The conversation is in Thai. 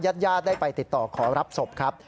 ญาติญาติได้ไปติดต่อขอรับศพครับ